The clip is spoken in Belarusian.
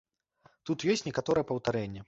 Тут ёсць некаторае паўтарэнне.